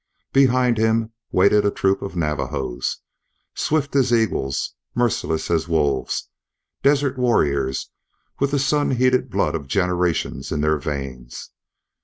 Behind him waited a troop of Navajos, swift as eagles, merciless as wolves, desert warriors with the sunheated blood of generations in their veins.